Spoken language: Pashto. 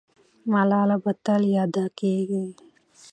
ملاله به تل یاده کېږي.